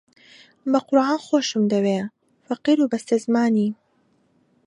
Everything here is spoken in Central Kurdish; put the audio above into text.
بە قورئان خۆشم دەوێ فەقیر و بەستەزمانی